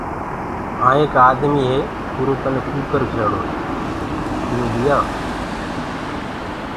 وهآن ايڪ آدمي هي ڪي اُرو ڪني ڪٚڪَر کيڙو هي ڪي تمي لِيآئو۔